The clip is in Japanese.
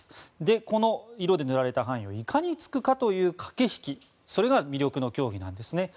この色で塗られた範囲をいかに突くかという駆け引きそれが魅力の競技なんですね。